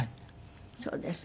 そうですか。